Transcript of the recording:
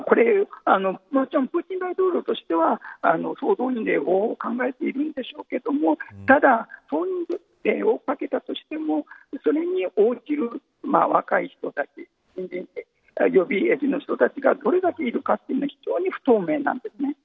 もちろんプーチン大統領としては総動員でというのを考えているんでしょうけれどもただ、総動員をかけたとしてもそれに応じる若い人たち予備役の人たちがどれだけいるかというのは非常に不透明なんです。